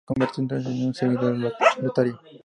Se convirtió entonces en seguidor de Lotario.